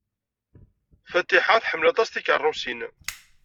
Fatiḥa tḥemmel aṭas tikeṛṛusin.